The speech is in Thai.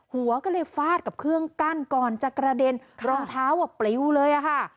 หัวก็เลยฟาดกับเครื่องกั้นก่อนจะกระเด็นรองเท้าก็เปรี้ยวเลย